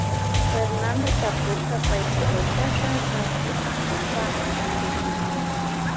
Fernando tapurka paypa taytata sapsi apukpa shutita.